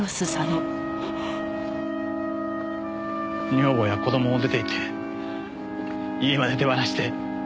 女房や子供も出ていって家まで手放して。